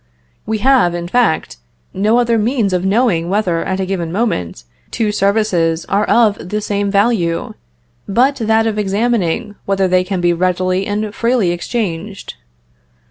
We have, in fact, no other means of knowing whether, at a given moment, two services are of the same value, but that of examining whether they can be readily and freely exchanged.